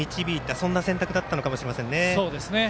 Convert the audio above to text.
そんな選択だったのかもしれないですね。